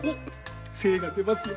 精が出ますよ。